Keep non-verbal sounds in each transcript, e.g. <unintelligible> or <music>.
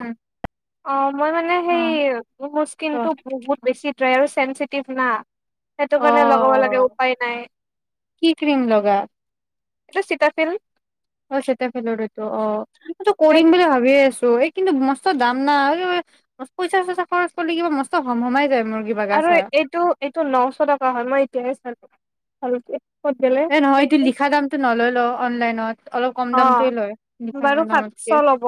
উম অ মই মানে সেই মোৰ স্কিন টো বহুত বেছি ড্ৰাই আৰু চেন্চিটিভ না সেইটো অ কাৰণে লগাব লাগে উপায় নাই কি ক্ৰীম লগা এতিয়া চীতাফিলড অ চিতাফেলৰ তো অ সেইটো টো এ কৰিম বুলি ভাবিয়ে আছো এই কিন্তু মস্ত দাম না পইচা চইচা খৰচ কৰিলে কিবা মস্ত হম হমাই যায় মোৰ কিবা গা আৰু চা এইটো এইটো নশ টকা হয় মই এতিয়াহে চালো আৰু এ নহয় এইটো লিখা দামটো নলয় ল অনলাইন অলপ কম অ দামটোয়ে লয় লিখা বাৰু সাতশ দামতকে ল'ব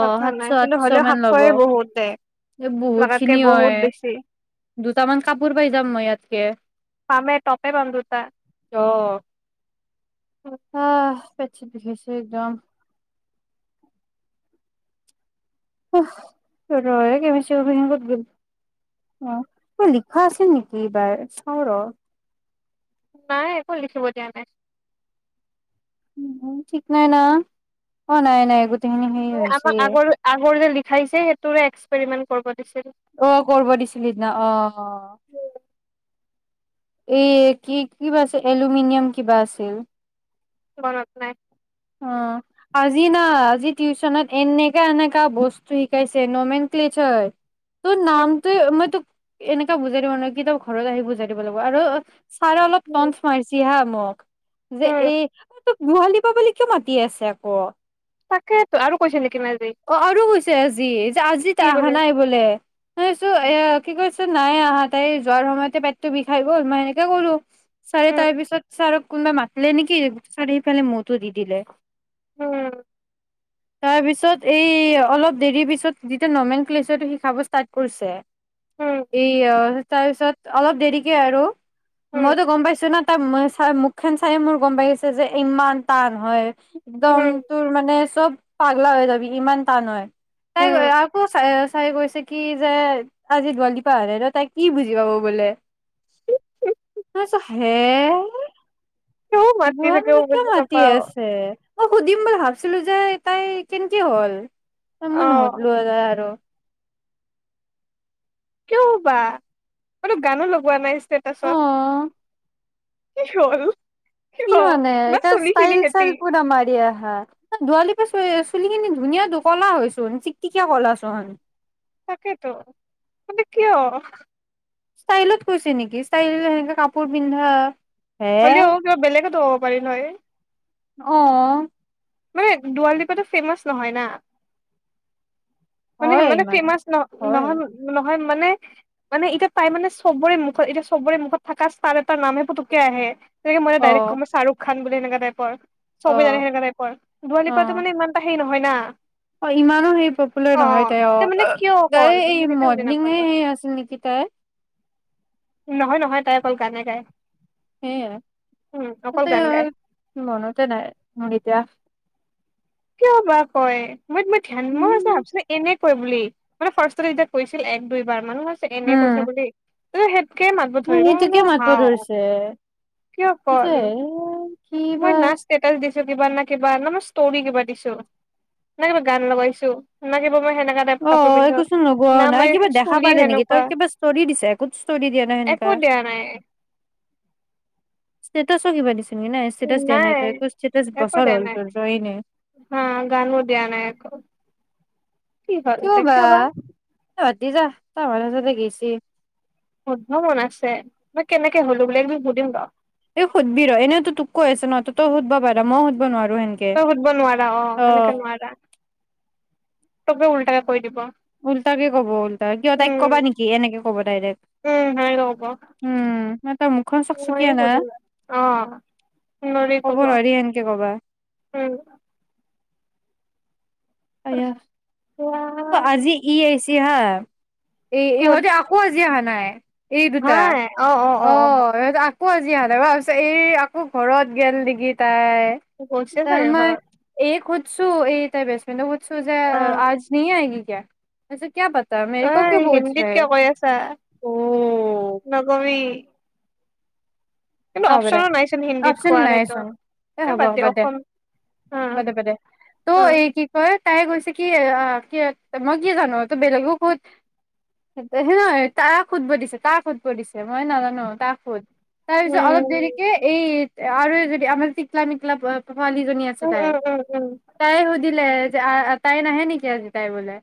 কথা সাতশ নাই কিন্তু আঠশ হ'লেও মান ল'ব সাতশয়ে বহুত দে এই বহুত লগাতকে খিনি বহুত হয় বেছি দুটামান কাপোৰ পাই যাম মই ইয়াতকে পামে টপে পাম দুটা আহ আহ পেট চেট বিখাইছে একদম উফ ৰয় কেমত গল অ লিখা আছে নেকি এইবাৰ চাও ৰ নাই একো লিখিব দিয়া নাই উ ঠিক নাই ন অ নাই নাই গোটেইখিনি হেৰি হৈছে আমাৰ আগৰ আগৰ যে লিখাইছে সেইটোৰে একসপেৰিমেনট অ কৰিব দিছিলি ন আহ হ এই কি কিবা আছিল এলুমিনিয়াম কিবা আছিল মনত নাই অ আজি না আজি টিউচনত এনেকা এনেকা বস্তু শিকাইছে নমেন ক্লেছ হয় তোৰ উম নামটো মই ত এনেকা বুজাই দিব নোৱাৰি কেতিয়াবা ঘৰত আহি বুজাই দিব লাগিব আৰু ছাৰে অলপ উম টন্ঠ মাৰিছি হা নক যে উম এই তোক গোহালি দিবা বুলি কিয় মাতি আছে আক তাকেই টো আৰু কৈছিল নেকি আজি অ আৰু কৈছে আজি যে আজি কি অহা বোলে নাই বোলেছো এ কি কৈছে নাই আহা তাই যোৱাৰ সময়তে পেটটো বিষাই গ'ল মই সেনেকে কৰলো ছাৰে উম তাৰ পিছত ছাৰক কোনোবা মাতিলে নেকি ছাৰে সিফালে মো দি দিলে উম তাৰ পিছত এই অলপ দেৰি পিছত যেতিয়া নৰ্মং ক্লাছতো শিকাব ষ্টাৰ্ট কৰিছে উম এ অ তাৰপিছত অলপ দেৰিকে আৰু উম মইতো গম পাইছো ন তাৰ চ খেন চাই মোৰ গম পাইিছে যে ইমান টান হয় একদম উম তোৰ মানে চব পাগল হৈ যি ইমান টান হয় উম চাই আকৌ চাই চাই গৈছে কি যে আজি দোৱালি পাহ ন ন তাই কি বুজি পাব বোলে নছ হে কিয় মাতি বোৱা থাকে কিয় বুজি মাতি নাপাও আছে অ সুধিম বুলি ভাবছো আহিছিলো যে তাই কিন্তু কি হ'ল আমি অ নুহুদিলো আৰু কিয় হয় বা মইতো গানো লগোৱা নাই অ ইষ্টেটাছত কি হল কিয় কি মানে না এ চুলি খিনি ষ্টাইল সেতি চাইল পুৰা মাৰি আহা দুৱালি পাছ চুলি খিনি ধুনীয়া কলা হয় চোন চিকচিকিয়া কলা চোন তাকেইটো মানে কিয় ষ্টাইলত কৈছে নেকি ষ্টাইল সেনেকে কাপোৰ পিন্ধা হে হলেও কিবা বলেগত হ'ব পাৰে নহয় অও মানে দুৱাল দ্দীপটো ফেমাচ নহয় না মানে হয় মানে ইমান ফেমাচ ন হয় নহয় নহ হয় মানে মানে এতিয়া তাই মানে চবৰে মুখত এতিয়া চবৰে মুখত থকা ষ্টাৰ এটাৰ নামহে পুতুকে আহে তেনে মই অ ডাইৰেক্ট কম শ্বাহৰুখ খান বুলে এনেকা টাইপৰ অ চবেই জানে সেনেকা টাইপৰ অ দুৱালি পৰা মানে ইমান তা সেৰি নহয় হয় ন অ ইমানো সেই পপুলাৰ নহয় তাই তে মানে অ কিয় তাই অকল এই মই সেইটোৱে বুজি মডেলিং নাপালো। আছিল নেকি তাই নহয় নহয় তাই অকল গানে গায় সে উম অকল তাতে গান গায়। আৰু মনতে নাই মোৰ এতিয়া কিয় বা কয় মই মই ধ্যান মই উম ভাবিছিলো এনেই কয় বুলি মানে ফাৰ্ষ্টতে যেতিয়া কৈছিল এক দুই বাৰ মানে এনেই কৈছে বুলি অ অ হেইটো কে মাতিব ধৰিছে কিয় কল সেইটোৱে মই নাচ কেইটাল দিছো কিবা না কিবা না ষ্টৰি কিবা দিছো না কিবা গান লগাইছো না কিবা মই সেনেকা টাইপ অ কাপোৰ পিন্ধো একোচোন লগোৱাও না নাই মই কিবা দেখা চুলি পালে নেকি তই সেনেকুৱা কিবা ষ্টৰি দিছ একো ষ্টৰি দিয়া নাই সেনেকা একো দিয়া নাই ইষ্টৈটাছ কিবা দিছে নাই একো বছৰ দিয়া হ'ল নাই তোৰ যোৱাই নাই হা গান ও দিয়া নাই একো কি হ'ল কিয় এতিয়া বা বাদ দে জা মাজতে গৈছে বন্ধ মন আছে মই কেনেকে হলো বোলে একদিন সুধিম বাও এই সুধিবি ৰ এনেতো তোক কৈ আছে নহ তই সুধব বো মই সুধব নোৱাৰো সেনকে তই সুধব নোৱাৰা অ সেনেকে নোৱাৰা তব উল্টাকে কৈ দিব উল্টাকে ক'ব উল্টা কিয় তাইক উম কবা নেকি এনেকে কব ডাইৰেক্ট উম সেনেকে কব উম ম তাৰ মুখখন মইয়ে চকচকীয়া না সুধিম ৰ। অ কব নোৱাৰি সেনকে কবা উম আয়া কোৱা আজি ই আহছ কিহাৰ এই কোন এহঁতে আকৌ আজি হান নাই এই দুটা অ সত আকৌ আজি আহা ভাবিছ এই আকৌ ঘৰত গেল নেকি তাই অ গৈছে কাম চাগে নাই ঘৰত এইক হুধ এইটো তাই বেষ্ট ফ্ৰেণ্ড চ' যে অ আজ আহগ কিয় এচে কিয় পত অ হিন্দীত কিয় কৈ আছা নকবি কিন্তু অ', হ'ব দে, অপচনো নাইচোন হিন্দীত অপচন কোৱাৰ সেইটো নাইচোন এ হ'ব বাদ দে, বাদ উম দে, বাদ দে, ত' এই কি কয়। তাই কৈছে কি কি মই কি জানো তোৰ বেলেগক সোধ, হে নহয় তাক সোধব দিছে তাক সোধব দিছে মই নাজানো তাক সোধ তাৰ পিছত উম অলপ দেৰিকে এই আৰু যদি আমাৰ টিকলা মিকলা ছোৱালীজনী আছে উম তাই, উম উম উম উম তাই দিলে যে তাই নাহে নেকি আজি তাই বোলে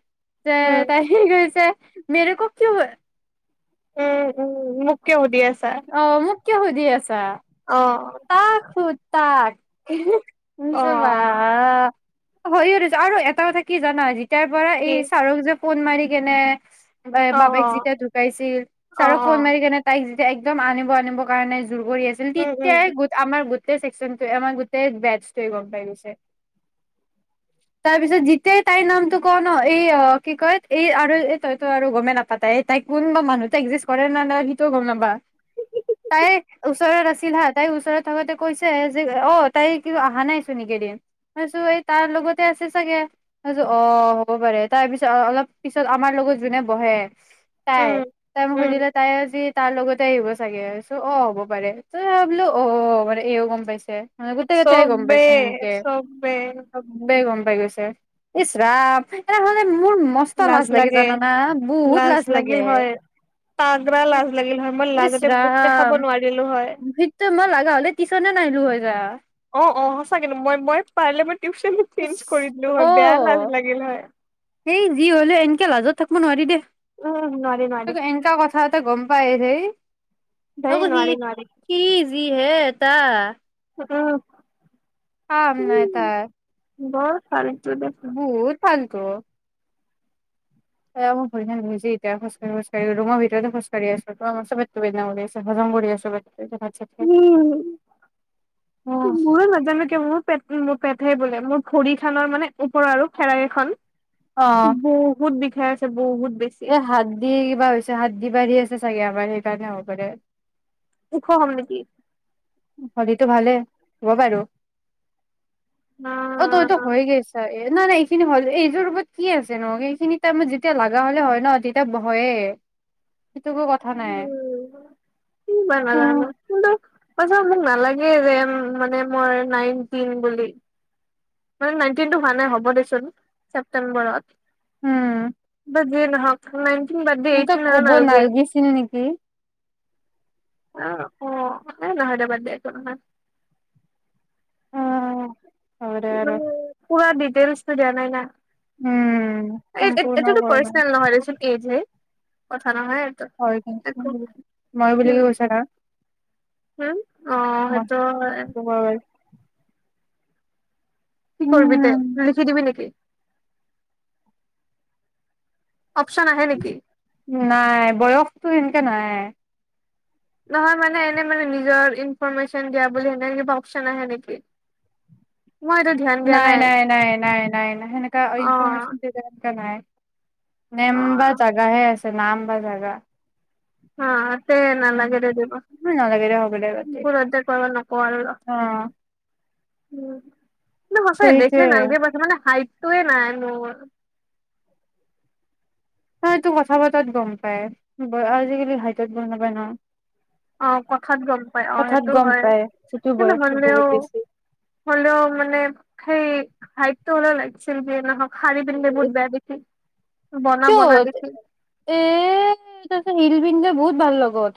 যে উম তাই গৈছে মেৰেকো কিউ উম, উম মোক কিয় শুধি আছ অ', মোক কিয় সুধি আছা? অ তাক সুধ তাক অ নিজৰ বা হয় গৈছে আৰু এটা কথা কি জানা আজি এতিয়াৰ পৰা কি এই চাৰক যেপ ফোন মাৰি কিনে অ বাপেক অ যেতিয়া ঢুকাইছিল অ ছাৰক অ ফোন মাৰি কেনে তাইক একদম আনিব আনিবৰ কাৰণে জোৰ কৰি আছিল তে উম উম এতিয়াই গোট আমাৰ চেকচনটোৱে আমাৰ গোটেই বেটোৱ গম পাই গৈছে তাৰ পিছত যেতিয়াই তাইৰ নামটো কওঁ ন' এই কি কয় এই এই তইতো আৰু গমেই নাপা তাই তাই কোনোবা মানুহতে একজিষ্ট কৰে না নাই সিটো গম নাপা তাইৰ ওচৰত আছিল হাত তাই ওচৰত থাকোতে কৈছে যে অ', তাই কিন্তু অহা নাই চিনকেইদিন তিছ এই তাৰ লগতে আছে চাগেিছ অ', হ'ব পাৰে তাৰ পিছত অলপ পিছত আমাৰ লগত যোনে বহে তাই, উম তাই মোক উম সুধিলে তাই যি তাৰ লগতে আহিব চাগে চো অ', হ'ব পাৰে ত বোলো অ', মানে এইও গম পাইছে। মানে গোটেই কেইটাই গম চব্বে পাইছে সেনকে চবে। চবেই গম পাই গৈছে ইচ ৰাম এ হ'লে লাজ, লাগে বহুত লাজ লাগে। লাগিল হয় তাগৰা লাজ লাগিল হয় মই ইচ লাজতে মুখ দেখাব ৰাম নোৱাৰিলো হয়। সেইটো মই লগা হ'লে টিচনে নাইিলো হৈ যা অ', অ', সঁচাকেনো মই মই পাৰ্লমেট টিউচন চেঞ্জ ইচ কৰি দিলো হয় বেয়া লাজ লাগিল হয়। এই যি হ'লে এনকে লাজত থাকিব নোৱাৰি দে। উম নোৱাৰি নোৱাৰি এনেকা কথাতে গ'ম পাইৰেই ধেই <unintelligible> নোৱাৰি নোৱাৰি হি হে এটা তহ অমা এটাই বৰ চালী বহুত <unintelligible> তঅ এহ মোৰ ভৰি খন বিষাইছে এতিয়া খোজা় খোজাকাঢ়ি ৰুমৰ ভিতৰতে খোজকাঢ়ি আছো। আমাৰ চ বনাম <unintelligible> আছে হজম কৰি আছো। ভাত চাত খাই। উম, মই নাজানো কিয় মোৰ পেট মোৰ পেটহে বোলে মোৰ ভৰি খনৰ মানে ওপৰৰ আৰু ফেৰাকেইখন বহুত বিষ বিষাই আছে বহুত বেছি এহ হাতদি কিবা হৈছে হাতদি বাঢ়ি আছে চাগে আমাৰ সেইকাৰণে হ'ব পাৰে ওখ হম নেকি? হলীটো ভালে হব বাৰু না অহ তইটো হৈ গৈছা। এহ নাই নাই এইখিনি হ'ল এইযোৰ ওপৰত কি আছে নহ এইখিনি তাৰে যেতিয়া লগা হ'লে হয় ন তেতিয়া নহয়েই উম কি উম <unintelligible> মোক নালাগে যে মানে মই নাইনটিন বুলি মানে নাইনটিন টো হোৱা নাই হ'ব দেচোন ছেপ্তেম্বৰত <unintelligible> এনকা এইটিন আৰু কব নালগে নালগিছিল‌ নেকি অহ অহ নহয় দে বাদ‌ দে হ'ব দে আৰু <unintelligible> পুৰা দি টেৰছটো দিয়া নাই না উম সম্পূৰ্ণ এইটোতো কৰে মানে পাৰ্ছনেল নহয় দে চোন <unintelligible> কথা নহয় এইটো হয় কি একো মই বুলি কে কৈছা আৰু ওম অহ সেইটোৱ হয় কি কৰিবি উম তই লিখি দিবি নেকি? অপচন আহে নেকি নাই বয়সতো এতিয়া নাই নহয় মানে এনে মানে নিজৰ ইনফৰমেশ্যন দিয়া বুলি সেনে কিবা অপচন আহে নেকি? মই এইটো ধ্যান দিয়া নাই নাই নাই নাই নাই নাই সেনেকা অ ইনফৰমেচন <unintelligible> নাই নেম অ বা জাগা হে আছে নাম বাজাগ হ তে ন লাগে মোৰ নালাগে দে হ'ব দে বাদ দে ৰদিবকু ৰদে কৰিব নক আৰু ল অ উম সঁচাই সেইটোৱে দেখিলে নালাগে পাইছে মানে হাইট তু এ নাই ন অ এইটো কথা বতাত গম পাই আজিকালি হাইটত গম নাপায় ন অ কথাত গম পাই অ কথাত সেইটো গম হয় পায় যিটো কিন্তু বয়সটো হলেও বহুত বেছি হলেও মানে সেই হাইটটো হলও লাগিছিল বিয় নহওক খাৰি পিন্ধে বুত বেয়া দি কিয় এ তছ হিলবিগ বহুত ভাল লগত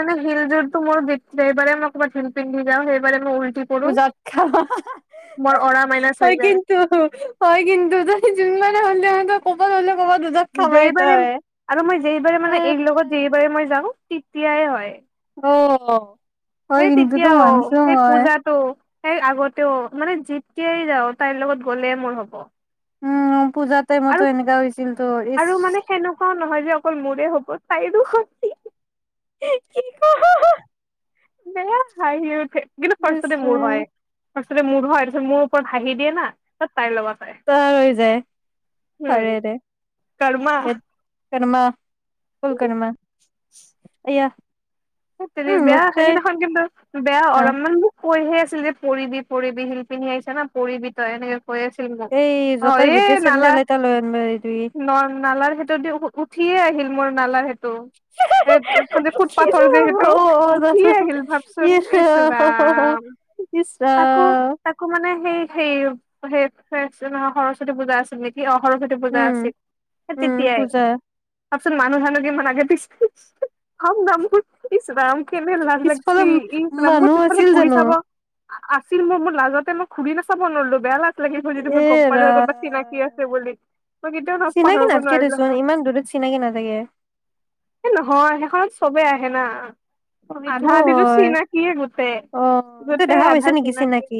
মানে শিলজাত তু মোৰ বিক মই কব পিং পিং যাওঁ সেইবাৰে মই উল্টি পৰো উজঐ মোৰ অৰা মাইনাচ হৈ যায় কিন্তু হয়ঐ কিন্তু ত জ মান হল ক'ব গ'লে যেবাৰে আৰু মই যেবাৰে অ মানে এইৰ লগত যেবাৰে মই যাওঁ তেতিয়াই হয় অ সেই তেতিয়া অ সেই পূজাতো ইয়াৰ আগতেও মানে যেতিয়াই যাও তাইৰ লগত গ'লে মোৰ হব উম পূজা টাইমতো আৰু এনেকা হৈছিল তো ইছ্ আৰু মানে সেনেকুৱাও নহয় অকল মোৰে হব তাইৰো হৈছিল ই হি হা হা বেয়া হাঁহি উঠে কিন্তু ইচ ফাৰ্ষ্টতে মোৰ ৰাম হয় ফাৰ্ষ্টতে মোৰ হয় তাৰপিছত মোৰ ওপৰত হাঁহি দিয়ে না তাইৰ লগত হয় তাৰ হৈ যায় উম শাইৰাতে কৰ্মা কৰ্মা ফুল কৰ্মা আয়াহ সেইত তেৰি বেয়া সেইদিনাখন কিন্তু বেয়া অ অলপমান কৈহে আছিল যে পৰিবি পৰিবি সেইপিনে আহিছা না পৰিবি তই এনেকে কৈ আছিল মোক এই অ জোতাৰ এই ভিতৰত নালা চেন্দেল এটা লৈ আনিব দিবি ন নালাৰ ভিতৰেদি উঠিয়ে আহিল মোৰ নালাৰ টোত সেই ভৰিখন যে কি ফুটপাথ যে যিহেতু হ'ব উঠিয়ে আহিল ভাবচোন ইচ ৰাম ইচ তাকো ৰাম তাকো মানে সেই সেই সেই সৰস্বতী পূজা আছিল নে কি অ সৰস্বতী পূজা উম আছিল উম তেতিয়াই পূজা ভাবচোন মানুহ জানুহ কিমান আগে পিছে কম দম ইচ ৰাম কেনে লাজ পিছফালে লাগিছি ই, চালা মোৰ মানুহ পিছফালে আছিল ঘূৰি জানো চাব আছিল মই মোৰ লাজতে মই ঘুৰি নাচাব নোৱাৰিলো বেয়া লাগ লাগিব যদি এ মই গম পালো হয়, ৰাম কোনোবা চিনাকি আছে বুলি। মই কেতিয়াও নক চিনাকি পাহৰিব নাথকে নোৱাৰিলো দেচোন, হয় ইমান দূৰত চিনাকি নাথাকে। এ নহয় সেইখনত চবে আ হে না অ', আধা এইটোও আধিতো হয়, চিনাকিয়ে গোটেই। অ', এইটো গোটেই দেখা পাইছ আধা নেকি চিনাকি?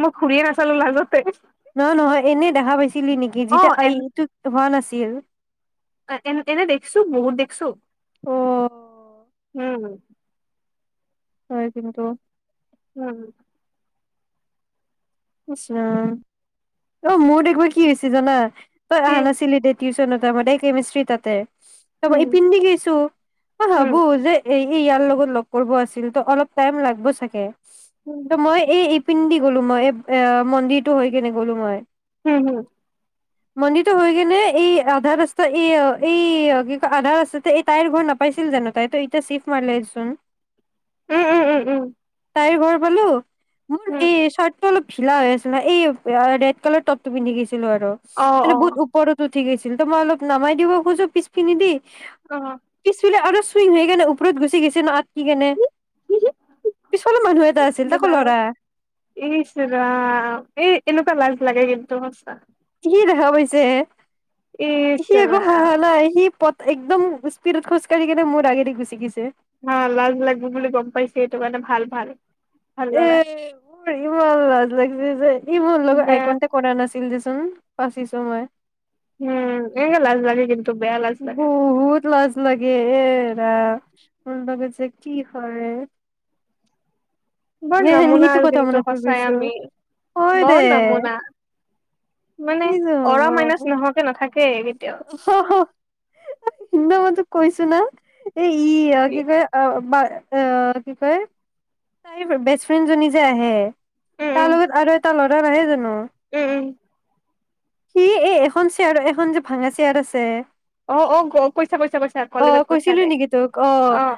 মই ঘূৰিয়ে নাচালো লাজতে। নহয়, নহয় এনে দেখা পাইছিলি নেকি? যেতিয়া এইটো হোৱা নাছি ছিল এ, এনে দেখছো, বহুত দেখছো। অ উম। হয়, কিন্তু। উম। ইচ ৰাম অ', মোৰ একবাৰ কি হৈছি জানা? তই কি অহা নাছিলি দে টিউচনত কেমিষ্ট্ৰি তাতে ত' উম এই পিনদি গৈইছো অ', উম ভাবোঁ যে, এই ই, ইয়াৰ লগত লগ কৰিব আছিল তো, অলপ টাইম লাগব চাগে উম ত মই এই ইপিনদি কলো মই এই এ, মন্দিৰতটো হৈ কেনে গ'লো মই। হম, হম। মন্দিৰটো হৈকেনে এই আধা ৰাস্তা এই, এই কি কয় আধা ৰাস্তাতে এই তাইৰ ঘৰ নাপাইছিল জানো, তাই ত এতিয়া চিফ মাৰিলেচোন। উম, উম, উম, উম। তাইৰ ঘৰ পালো মোৰ উম এই চ অলপ ঢিলা হৈ আছে ন', এই ৰেড কালাৰ টপটো পিন্ধি গৈছ ছিলো আৰু, অ অ মানে বহুত ওপৰতো ঠিক আছিল ত', মই অলপ নমাই দিব খোজো পিছপিনিদি অ পিছপিনে অনুচ চুইং হৈ কেনে ওপৰত গুচি গৈছে ন আত কি কেনে। পিছফালৰ মানুহ এটা আছিল তাকো ল'ৰা ইচ ৰাম, এই এনেকুৱা লাজ লাগে কিন্তু সচা। কি দেখা পাইছে হে। ইচ সি আকৌ ৰাম হাঁহা নাই, সি পথ একদম খোজ কাঢ়ি কিনে মোৰ আগেদি গুচি গিছে হা লাজ লাগিব বুলি গম পাইছে সেইটো কাৰণে ভাল ভাল ভাল এ ল'ৰা মোৰ ইমান লাজ লাগিছে যে ইমান লগত যে আইকনতে কৰা নাছিল যে উম পাচিছো মই উম হে লাজ লাগে কিন্তু বেয়া লাজ লাগে বহুত লাজ লাগে এ উল কি হয় বৰ এহেন নমুনা সিটো আৰু কথা কিন্তু মনত পৰি সঁচাই গৈছো আমি হয় দে বৰ নমুনা কি মানে অৰা হ'ব মাইনাচ নহাকে নাথাকে হ হ ইমান যে কৈছো না এই ই উম কি কয় অ কি কয় তাই বেষ্ট ফ্ৰেণ্ডজনী যে আহে তাৰ উম লগত আৰু এটা লৰা ত নাহে জানো উম উম সি এ এখন চেয়াৰৰ এখন যে ভাঙা চেয়াৰ আছে অ অ কৈছে কৈছে অ কলেজত কৈছিলা কৈছিলো যে নেকি তোক অ